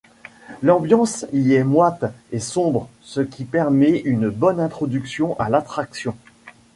L'ambiance y est moite et sombre, ce qui permet une bonne introduction à l'attraction.